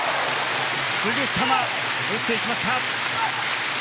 すぐさま打っていきました。